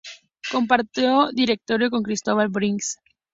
Compartió directorio con Cristóbal Briggs.